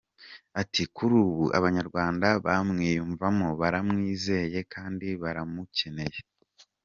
Ati” Kuri ubu Abanyarwanda bamwiyumvamo, baramwizeye, kandi baramukeneye.